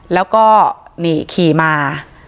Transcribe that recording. แล้วก็นี่ขี่มา